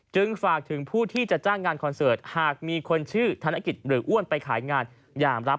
ฝากถึงผู้ที่จะจ้างงานคอนเสิร์ตหากมีคนชื่อธนกิจหรืออ้วนไปขายงานอย่ารับ